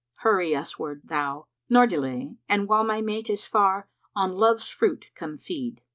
Hurry uswards thou, nor delay, and while * My mate is far, on Love's fruit come feed."